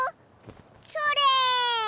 それ！